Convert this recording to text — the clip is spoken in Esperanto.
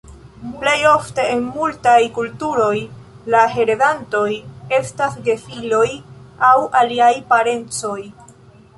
Plej ofte en multaj kulturoj la heredantoj estas gefiloj aŭ aliaj parencoj.